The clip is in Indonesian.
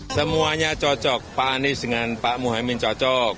semuanya cocok pak anies dengan pak muhaymin cocok